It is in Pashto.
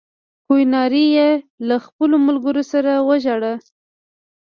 کیوناري یې له خپلو ملګرو سره وواژه.